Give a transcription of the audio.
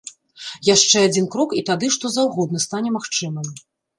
Яшчэ адзін крок, і тады што заўгодна стане магчымым.